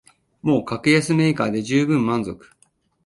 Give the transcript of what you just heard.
もう格安メーカーでじゅうぶん満足